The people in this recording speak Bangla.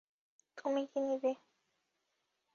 তুমি কী নিবে?